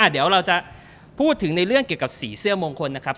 เดี๋ยวเราจะพูดถึงในเรื่องเกี่ยวกับสีเสื้อมงคลนะครับ